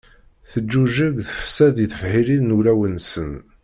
Teǧǧuǧǧeg tefsa di tebḥirin n wulawen-nsen.